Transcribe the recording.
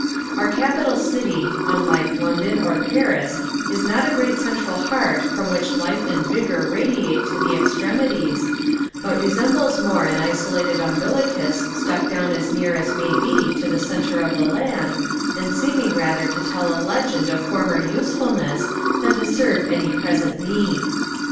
Our capital city, unlike London or Paris, is not a great central heart from which life and vigor radiate to the extremities, but resembles more an isolated umbilicus stuck down as near as may be to the centre of the land, and seeming rather to tell a legend of former usefulness than to serve any present need.